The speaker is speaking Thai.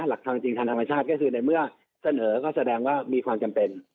หลักความจริงทางธรรมชาติก็คือในเมื่อเสนอก็แสดงว่ามีความจำเป็น